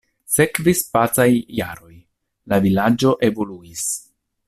Sekvis pacaj jaroj, la vilaĝo evoluis.